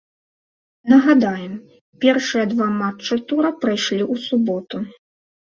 Нагадаем, першыя два матчы тура прайшлі ў суботу.